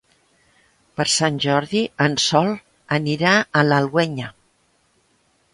Per Sant Jordi en Sol anirà a l'Alguenya.